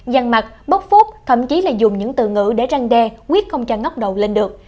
dàn mặt bốc phúc thậm chí là dùng những từ ngữ để răng đe quyết không cho ngóc đầu lên được